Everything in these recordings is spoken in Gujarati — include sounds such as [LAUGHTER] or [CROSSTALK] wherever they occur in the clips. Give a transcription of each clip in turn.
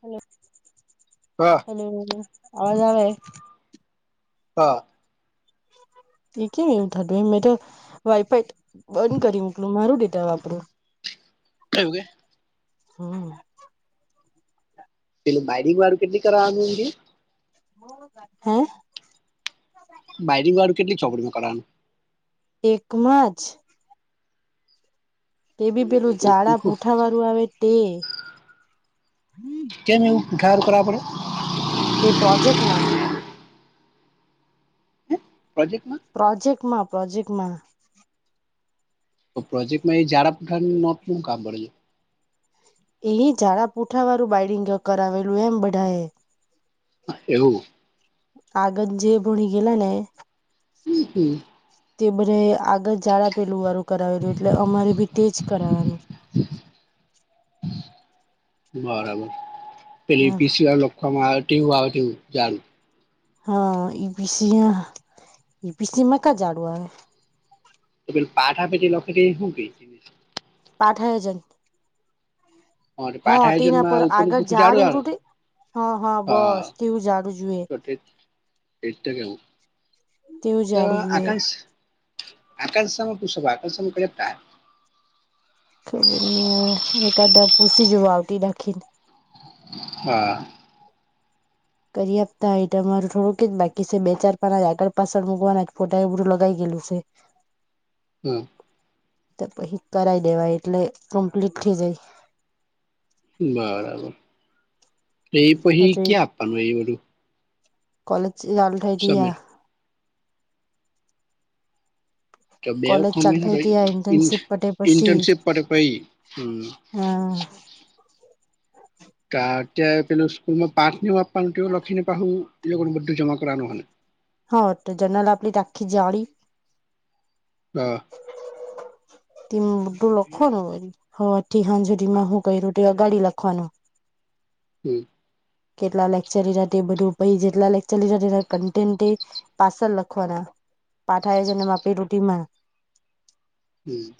હલ્લો. હા. હમ્મ અવાજ આવે. હા. એ કેમ એવું થતું એમ મેં તો વાઈફાઈ બંધ કરી મોકલું મારું ડેટા વાપરો. થવું કે. હમ. પેલુ માઇનિંગ વારૂ ખેતી આવે એ. હમ. બાયરિંગ વાળું ખેતી ચોપડીમાં કરવાવાનું. એકમાં જ. તે બી એટલે પેલું કે ઝાડા પૂઠું પૂઠા વાળું આવે તે. કેમ એવું ખર કરવા પડે. તે પ્રોજેક્ટમાં. પ્રોજેક્ટ માં. પ્રોજેક્ટમાં પ્રોજેક્ટમાં. તો પ્રોજેક્ટમાં ઝડાપુઠાની નોટ કામ પડે છે. એ ઝાડા પુઠા વાળું બાઈડિંગ કરાવેલું એમ બધા એ. એવું. આગંદ જેે ભણી ગેયલા ને. હમ હમ. તે બધ આગળ જાઝડા પેલું વારું કરાવેલું એટલે અમારે ભી તેજ કરાવવાનું. બરાબર પેલી પીછી વારો. કમા આવું જાાલું. હા ઈ પીસી ઈ પીસીમાં કા જાડુ આવે. તો પેલુ પાઠ આપે તે લખે તે હું કેય? પાઠાય જાય. હો પાઠ તે ના પર આયોજનમાં ઉપરનું આગળ પૂઠું ઝાડ જાડું આવે હુતું તેહા હા બસ તેવું ઝાડું જુએ એટે કેવું? તેવું તો ઝાડું જોઈએ આકાંક્ષ. આકાંક્ષ સામા પુછો આકાશ ન પોયોગતા. ખબર નહી હવે એકાદા પૂસી જવા આવતી દાખીન હા. કરી આપતા હોય. તમારું થોડું ક જ બાકી છે બે ચાર પાના આગળ પાછળ મકવાના ફોટા એ બધું લગાય ગેલું છે. હમ. તો પછી કરાઈ દેવા એટલે કમ્પ્લીટ થઈ જાય. બરાબર. એ પછી હજુ ક્યા આપવાનું એ બધું? કોલેજ જાલુ થાઈ રિયા સબમિટ તો બે કોલેજ ચાલુ થઈ ત્યાં ઇન્ટર્નશીપ પટે પછી ઇન્ટર્નશીપ પર પઈ હમ હા કા ક્યાં પેલુ સ્કુલ નું પાઠ ને એવું આપવાનું તેઉ લખીને પાહું એ લોકોનું બધું જમા કરવાનું અહેને? હા તો જનલ આપી આખી જાળી હા. ઈમાં બધું લખવાનું વરી, હવાર થી હાંજ સુધી માં હુ કર્યું તે અગાડી લખવાનું. હમ. કેટલા લેક્ચર લીધા બધું પહિ કેટલા લેક્ચર લીધા તે કન્ટેન્ટ પાસલ લખવાના પાઠાયજન અને માપી રૂટીમાં હમ.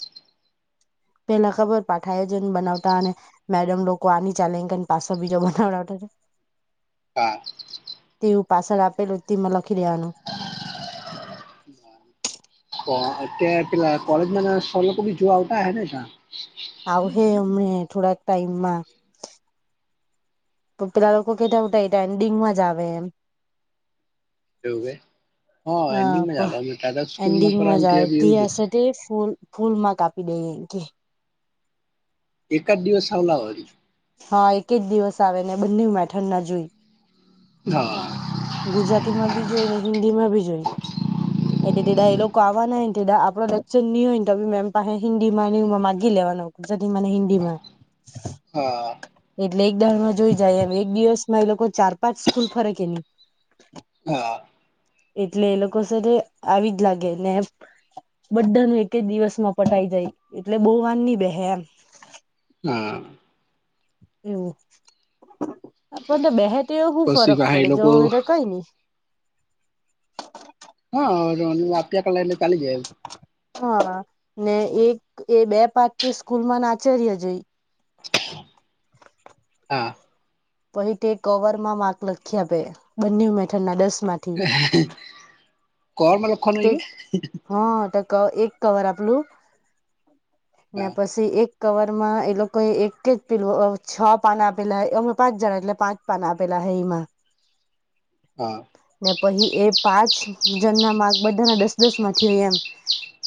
પેલા ખબર પાઠાયજન બનાવતા અને મેડમ લોકો આ ની ચાલે ઈન કરી પાછો બીજો બનાવડાવતા. હા. તેવું પાછળ આપેલું તેમાં લખી દેવાનું. [INAUDIBLE] કોતે પેલા કોલેજ ના સર લોકો બી જોવા આવતા અહે ને તા. આવ હે અમે થોડાક ટાઈમમાં. તો પેલા લોકો કેતા ઉતા એન્ડિંગ માં જ આવે એમ. એવુ એ. હા ફ સ્કૂલમાં એન્ડિંગમાં જ કરવાનું આવે ત્યાં બી ટી એવું આર જ સી ટી ફૂલ. ફૂલ માંકૅ આપી દઈએ એ કે. એકદ દિવસ આવલા વરી. હા એક જ દિવસ આવે ને બંનેમાં ઠંડા જોઈ. હા. ગુજરાતી માં બી જોઈ ને હિન્દીમાં બી જોઈ. [INAUDIBLE] [UNINTELLIGIBLE] તે ડડ ડાયલોક આવવાના હોય ને તે દાળ આપડો ચુની ની હોય ને તો મેમ પાહે હિન્દી માં માગી લેવાનું. ગુજરાતી માં ને હિદીમાં. હા. એટલે એક દરવાજ એ જોય એક દિવસ માં એ લોકો ચાર પાંચ સ્કૂલ ફરે કે નહી. હા. એટલે એ લોકો સરે આવી જ લાગે ને બધા નું એક જ દિવસ માં પટાઈ જાય, એટલે બોવ વાર ની બેહે એમ. હા. એવું આપણતો બેહે તેહું હું પછી ફરક પાહા એ પડે લોકો જોહું હોય તો કઈ ની. હા આ આપ્યા કલા એ ચાલીજા હા ને એક એ બે પાારથી સ્કૂલમાં નાચરય જઈ. હા. પહિ તે કવર માં માર્ક લખી આપે બંને મેથડ ના દસ માક. કોરમાં લખવાનું તે હોય કે. હા તો ક એક કવર આપલું્ ને હા પછી એક. કવર માં એ લોકો એક જ પીલું છ પાના પેલા અમે પાંચ જણા એટલે પાંચ પાના આપેલ હે એમાં. હા. ને પછી એ પાંચ જણ ના માર્ગ બધાના દસ દસ માંથી હોય એમ.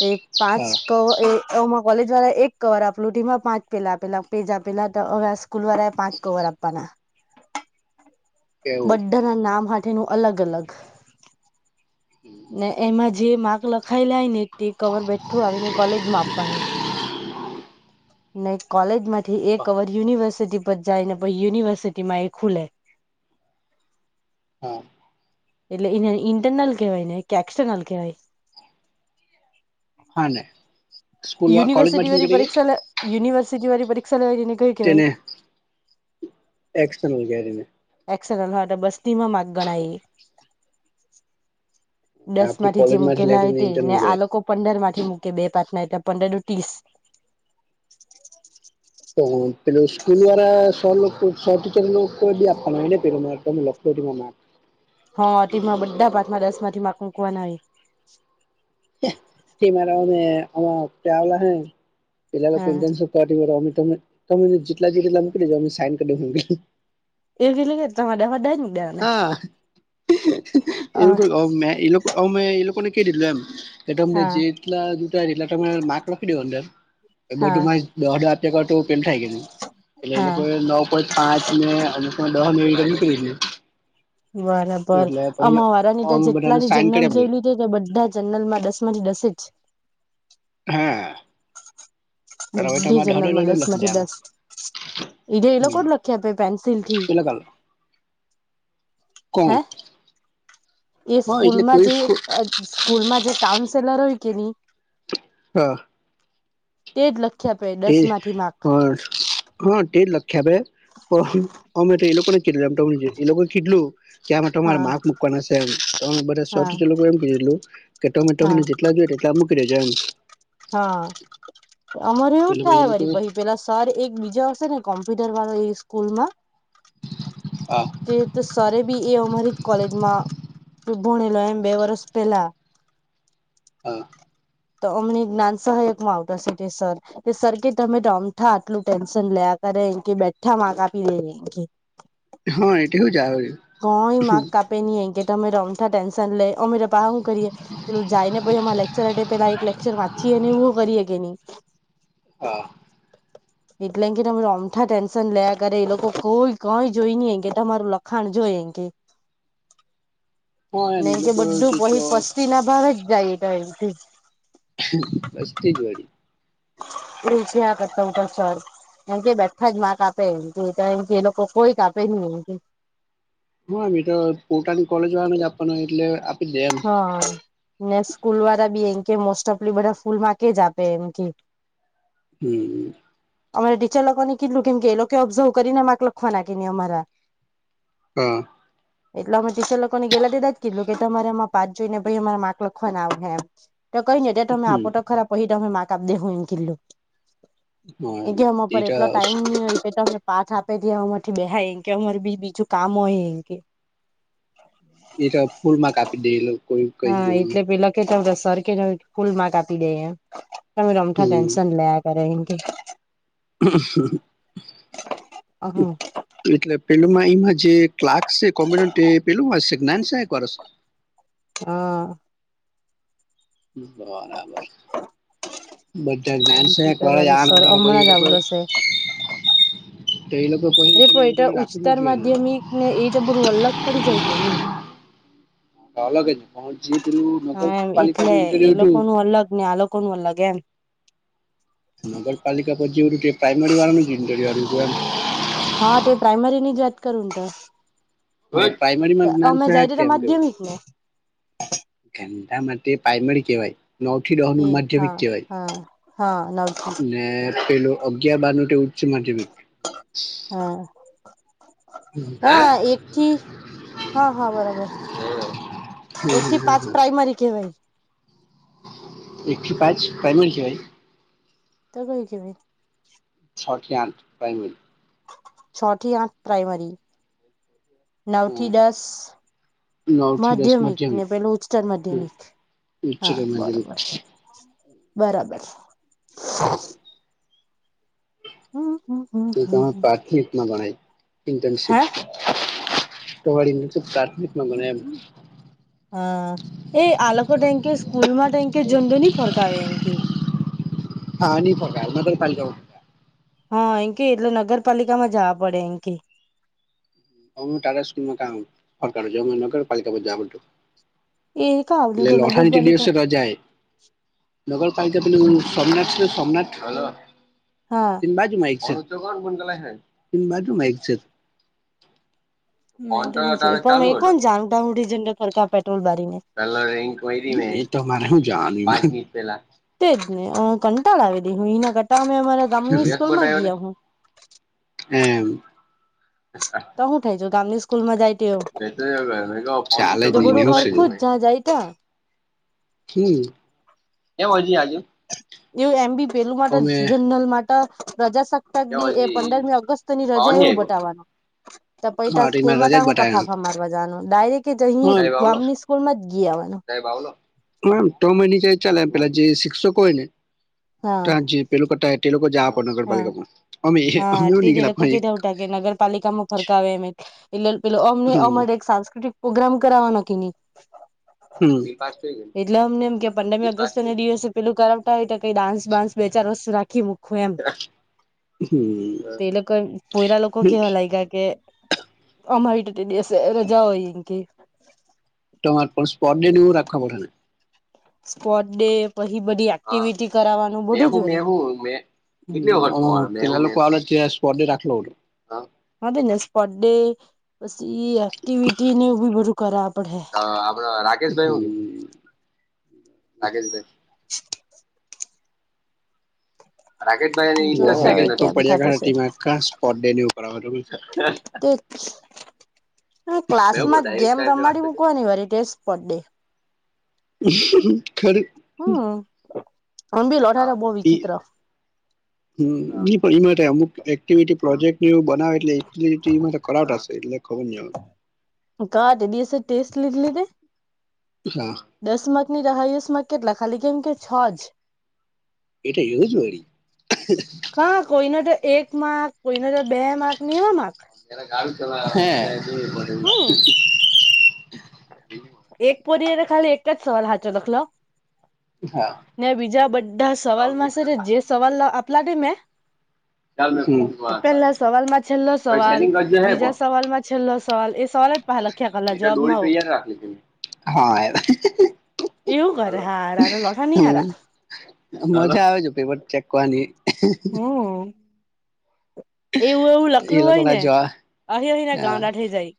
તે પાંચ હા ક એ. માં કોલેજ દ્વારા એક કવર આપલું એમાં પાંચ પેજ આપેલા પેજ આપેલા્યાસ. સ્કૂલ વાળા એ પાંચ કવર આપવાના. એવું બધા ના નામ હાથેનું અલગ અલગ. ને એમાં જે માર્ક લખાયેલાય ને તે કવર બેઠું આવીને કોલેજ માં આપવાનું. [INAUDIBLE] [UNINTELLIGIBLE] [INAUDIBLE] ન કોલેજ માંથી એક કવર યુનિવર્સિટી પછ જાય ને પછ યુનિવર્સિટી માં એ ખુલે હા. એટલે એને ઇન્ટરનલ કેહેવાય ને કે એક્સટર્નલ કેહેવાય. હા ને. સ્કૂલ કોલેજ યુનિવર્સિટી માંથી વાળી નીકળી ગઈ પરીક્ષા યુનિવર્સિટી વાળી પરીક્ષા લેવાને અને કઈ કેવાય. તેને એક્સટર્નલ ગેરીને. એક્ટર્નલ હા બસ્તીમાં માગ ગણાય દસ આપડી માંથી જે કોલેજ મૂકેલા હોય લઈને તે ને ઇન્ટરનલ આ ગેરી લોકો પંદર માંથી મૂકી બે પાચ ના એટલે પંદર નું ત્રીસ. તો પેલુ સ્કૂલ વાળા સર લોકો, સર ટીચર લોકો નું કોડ બી આપવા ન હોય? હ, તેમાં બધા ભાતમાં દસ માંથી માર્ક મૂકવા ના હોય. [UNINTELLIGIBLE] [INAUDIBLE] તો અમે હા તમે તમે જેટલા જેટલા મુકી દેજો અમે સાઈન કરીક. એવી [UNINTELLIGIBLE] [INAUDIBLE] હા હા એવું મે લવ મેં એ લોકોને કઈ દીધું એમ. કે તમને હા જેટલા એટલા તમે માર્ક લખી દો, અંદર હા બધુંમાં. દસ હજાર ટકા તો પેન થાય ગયું, એટલે એ હા લોકો એ નવું. કોઈ પાંચ મે અને કોઈ મે નીકળી દઉં. બરાબર, અમા વારાની ત્યા અમે બધાને જેટલાની સાઈન કરી જનરલ આપેલી જોયેલી. તો બધા જનરલમાં દસ માંથી દસ જ. હા. હવે બધી તમારે દહ જનલ દહ માં દહ દસ લખી માંથી દેવાના દસ ઈંટો એ લોકો જ હમ લખી આપે, પેન્સિલ થી. પેલા કાલ હે કોણ? એ હા એટલે સ્કૂલમાં કોઈ જે સ્કૂલમાં જે કાઉન્સેલર હોય કે ની? હા. તે જ લખી આપે. એ દસ માંથી માર્ક હા. હા, તે જ લખી આપે, પણ અમે તો એ લોકોને કીધુ એમ થવું જોઇએ, એ લોકો કીધેલું. ત્યાં તમારે હા માપ મૂકવાના છે એમ હા બધા એમ કીધેલું. કે તમેં હા તમને જેટલા જોઈએ એટલા મૂકી દેજો એમ. હા, અમારે એવુ જ એટલે એ થાય લોકો પછી. પેલા સર એક બીજા હશે ને, કોમ્પ્યુટર વાળા એ સ્કૂલ માં? હા. તે તો સર એ બી એ અમારી કોલેજમાં ભણેલા, એમ બે વર્ષ પેલા. હા. તો અમને જ્ઞાન સહાયક માં આવતા સીટી સર. સર કે, તમે અમથા આટલું ટેન્શન લીયા કરે એ કે બેઠા માં આપી લે. હા, એટલું જ આવે. કોઈ માક કાપે નહીં એ કે, તમે રમતા ટેન્શન લે, અમે તો પાહા શું કરીએ? પેલું જાય ને, પછી એમા લેક્ચર આવે. પેલા એક લેક્ચર વાંચીએ અને એવું કરીએ કે નહીં? હા. એટલે કે તમે ઓમઠા ટેન્શન લેયા કરે, એ લોકો કોઈ કંઈ જોઈ ન એ કે તમારું લખાણ જોય એ કે? હ, એમ એ ને કે લોકો બધું જે પહી પસ્તી ના, ભાવ જ જાય એટો એમ. બસ્તી જ વળડી. લછ આખત ઉન્ટાર સરાર [UNINTELLIGIBLE] એમ કે બેઠા જ મા કે આપે, એમ કેમ કે એ લોકો કોઈ કાપે નહીં એમ કે. હા, મેં તો પોતાની કોલેજ વાળાને જ આપવાનું, એટલે આપી દે એમ હા ને, સ્કૂલ વાળા બી એમ કે, મોસ્ટ ઓફલી બધા સ્કૂલ માં કે જ આપે એમ કે. હમ. અમારા ટીચર લોકોને કેટલું, કેમ કે એ લોકો ઓબ્ઝર્વ કરીને માગ લખવા નાખી ને અમારા. હા. એટલે અમે ટીચર લોકોને ગેલા તે જ દિવસે કીધું કે, તમારે પાત જોઈને, ભાઈ, અમારે માર્ક લખવાના આવે હેમ તો કઈ ને, એટ તમે હમ આપો તો ખરા. પછી તો અમે મા કાપી દેવું એમ કીધુ, હા એ એમ કે એ પર એટલો એટા ટાઈમ. પાઠ આપે તે અમારાથી થાય, એ કે અમારે બી બીજું કામ હોય એ કે. એ તો ફૂલ માં કાપી દેવું. હા, એટલે પેલા કેતા સર કે ફૂલ માર્ક આપી દે એમ. તમે અમઠા હમ ટેન્શન લિયા કરે. હા. હ એટલે પેલુંમાં ઈમાં જે ક્લાકસ છે કોમુનેન્ટ તે પેલું હશે ગ્નાન છે એક વર્ષ. હા. બરાબર. બધાન છે એક કોમ્પ્યુટર વાર જ વાળું સર ઉ હમણાં કોઈ જ લોકો આવલો [INAUDIBLE] છે તે એ લોકો પ અરે પ એટ ઉચતાર માધ્યમિકને એ બુધુ અલગ પડી જાય કે ની? અલગજ હો જે પેલું નગરપાલિકા નુ ઇન્ટિરિયર જોયું અલગને આ લોક કોણ વાર લગેમ. નગરપાલિકા પછી જોયુક પ્રાઈમરી વાળા નુ ઇન્ટરવ્યૂ આલ્યુંતુ એમ હા તો પ્રાઇમરીનીજ વાત કરું તો. હતું એમ અને તો પ્રાઇમરીમાં જ્ઞાન અમે સહાયક જાય તેતો માધ્યમિક ને. એમ તે માટે પ્રાયમરી કહેવાય, નવ થી દહ નું એ માધ્યમિક હા કહેવાય. હા હા નવ થી ને પેલું અગિયાર બારનું ઉચ્ચ માધ્યમિક. હા હા એકી હા હા બરાબર. એથી પાંચ હ પ્રાઇમરી કેવાય એકથી પાંચ પ્રાઈમરી કેવાય? તો કયું કેવાય? છ થી આઠ પ્રાઈમરી. છ થી આઠ પ્રાઇમરી નવ થી દસ નવ થી દસ માધ્યમિક ને પેલું ઉચ્ચતર માધ્યમિક હા ઉચ્ચતર માધ્યમિક બરોબર. બરાબર. હમ્મ હમ્મ તો તમે પ્રારથમિકમાં ભણાય ઇન્ટર્નશીપ. હે તમારી મિન્સિક પ્રારથમિકમાં ભણે એમ હા એ આલોકો તો એમ કે સ્કૂલમાં એમકે જનરલી ફરતા રહે એમ કે હાની પહોંચાય નગર પાલીકાઓ હા એમકે એટલે નગરપાલિકામાં જવા પડે એમકે અમુ તારામાં કામ પણ કરે જેવુ હુ નગર પાલિકા બાજુ જાવુ છુ. એ કા આવલી એટલે તે લહાણ એ નગરપાલિકા દિવસે રજા એ. નગર પાલિકા પેલુ સોમનાથ છેને સોમનાથ હા એની બાજુમા એક્ઝેક્ટ, એની બાજુમા એક્ઝેક્ટ. [INAUDIBLE] મેં તો નહી તારો જોયુ, પણ ચાલુ મેં હતો કોણ જાહૂ ત્યાં હુધીને ઝડર ફરકા પેટ્રોલ બારી ને. પેલા રિંગ કૈરીને, ઈ પેલા તેજ ને, અ કંટાડો આવે દહું ના કરતા અમે અમારા ગામની શરૂિયાત સ્કૂલમાં બનાયાને, ગયા હું એમ તો હું થાય જો ગામ ની સ્કૂલ માં જાય તેઓ, મે તો એવું કહ્યું તે મે કહ્યું ફોન ઊંચો કર તો મને લઈ બડું હરખું જવું જ જ્યાં જાય તા. હમ્મ એમ હજી આજુ એવું એમ બી પેલું માટે જનરલ માટે પ્રજા શક્ત તક કેમ ડી એ હજી પંદરમી ઓગસ્ટત ની પાવન રજા એવું આયવો બતાવવાનું. તો પછી હા ત્યાં તો સ્કૂલ એમાં માં રજા જ તાહું કા બતાવ્યો ફાફા મારવા જવાનું. ડાયરેક જ અહીંયાજ ગામની સ્કૂલ માં જી આવવાનું. એ બાવલો, હમ્મ તોમેની જાય ચાલે પેલા જે શિક્ષકો હોય ને હા. ત્યાં જે એલોકા ત્યાં તે લોકો જાઆપ હા નગરપાલિકામાં, અમે એ અમે નિગેલા ભાઈ જે નગરપાલિકામાં ફરતા હોય એમ એક, એટલે અમને હમ અમારે હમ એક સાંસ્કૃતિક પ્રોગ્રામ કરાવાના કે ની હમ એટલે અમને એમ કે પંદરમી ઓગસ્ટના દિવસે પેલું કરવતા હોય તો, કઈ ડાન્સ બાન્સ બે ચાર વર્ષ રાખી મૂકહે એમ. હમ્મ તે લોકો પઈરા લોકો કહેવા લાગ્યા કે. અમારી તો ટે દિવસે રજા હોય એમ કે તમાર પણ સ્પર્ડે નેવું રાખવા પડે હે ને સ્પોર્ટ ડે પછી બધી એક્ટિવિટી કરાવવાનું બધું જ વરી ઓ મે [INAUDIBLE] હ તે જ નેે સ્પટડે પસી એક્ટિવિટી ને એ બી બધું કરવા પડહે અ આપડ રાકેશભાઈ હું રાકેશભાઈ [INAUDIBLE] જોય રાકેે હવે તો કેમ થતું છે પડિયા ગા સ્પોટ ડે ને એવું કરાવ બરોબર છે તે જ મેહુલ ક્લાસમાં જ ડાયરેક્ટ ગેમ સાહેબ ને વાત રમાડી કરજે મૂકવાની વરી તે સ્ટપોટ ડે ખરુ હમ અંબી લોઠા હા ત બો ઈ વિચિત્ર હમ ઈ પણ એમાં તે અમુક [UNINTELLIGIBLE] ટીવીટી પ્રોજેક્ટવ નેવુ બનાવે એટલે્ટટીમાં ત કરાવતા શે એટલે ખબર ની હ કા તે દિવસે ટેસ્ટ લીધલી તે હા. દસ માકની હાયસ માંક કેટલા ખાલી કેમ કે છ જ એટ એવુજ વળી કા કોઈને તો એક માર્ક કોઈને તો બે માર્ક નેવા માક હે હમ [UNINTELLIGIBLE] એક પોરીએ ત ખાલી એક જ સવાલ હાચો લખલો ને બીજા બધા સવાલમાં છે, જે સવાલ આપલા મેં પેલા હા સવાલમાં છેલ્લો સવાલ બીજા સવાલમાં છેલ્લ સવાલ એ સવાલ જ પાહા અલ એ તો ડોલ તયાયા રાખલી તમે હા એવું કરે હારાર લઠા નીહારા મજા આવે છે, પેપર ચેકવાની હમ એવું એવું એ લખલું લોકો હોય ના ને જોવા અહી અહીને હા ગાડા થય જાય